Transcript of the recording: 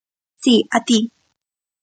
Si, a ti!